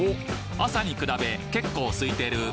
朝に比べ結構空いてる。